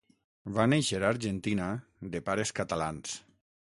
Va néixer a Argentina, de pares catalans.